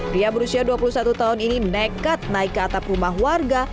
pria berusia dua puluh satu tahun ini nekat naik ke atap rumah warga